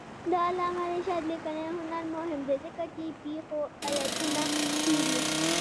د علامه رشاد لیکنی هنر مهم دی ځکه چې پېښو علتونه څېړي.